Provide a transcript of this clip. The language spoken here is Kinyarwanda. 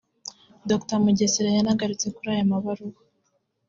Dr Mugesera yanagarutse kuri aya mabaruwa